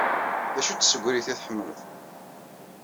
D acu-tt tsegrit ay tḥemmleḍ?